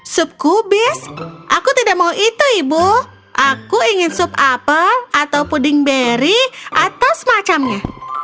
sup kubis aku tidak mau itu ibu aku ingin sup apel atau puding beri atau semacamnya